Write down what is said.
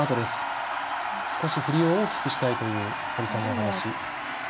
少し振りを大きくしたいという大場さんのお話。